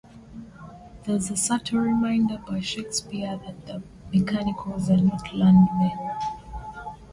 This is a subtle reminder by Shakespeare that the mechanicals are not learned men.